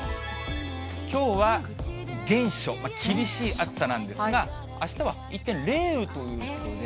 きょうは厳暑、厳しい暑さなんですが、あしたは一転、冷雨ということで。